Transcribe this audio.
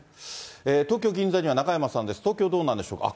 東京・銀座には中山さんです、東京、どうなんでしょうか。